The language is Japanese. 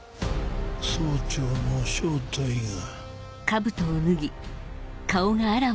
総長の正体が。